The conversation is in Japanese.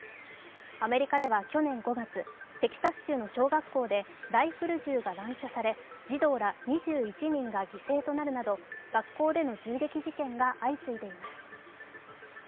アメリカでは去年５月、テキサス州の小学校でライフル銃が乱射され、児童ら２１人が犠牲となるなど学校での銃撃事件が相次いでいます。